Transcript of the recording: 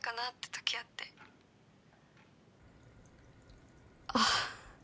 時あってあ